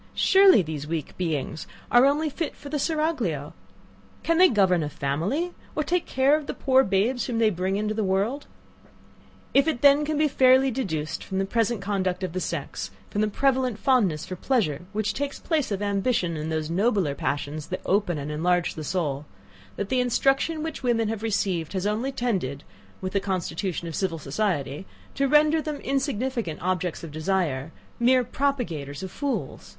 Surely these weak beings are only fit for the seraglio! Can they govern a family, or take care of the poor babes whom they bring into the world? If then it can be fairly deduced from the present conduct of the sex, from the prevalent fondness for pleasure, which takes place of ambition and those nobler passions that open and enlarge the soul; that the instruction which women have received has only tended, with the constitution of civil society, to render them insignificant objects of desire; mere propagators of fools!